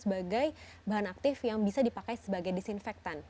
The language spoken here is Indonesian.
sebagai bahan aktif yang bisa dipakai sebagai disinfektan